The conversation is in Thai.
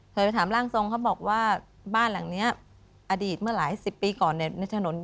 เคยไปถามร่างทรงเขาบอกว่าบ้านหลังนี้อดีตเมื่อหลายสิบปีก่อนในถนน